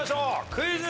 クイズ。